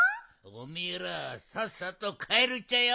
おめえらさっさとかえるっちゃよ！